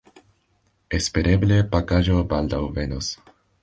Espereble pakaĵo baldaŭ venos.